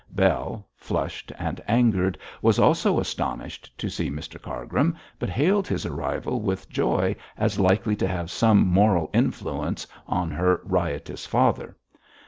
Bell, flushed and angered, was also astonished to see Mr Cargrim, but hailed his arrival with joy as likely to have some moral influence on her riotous father.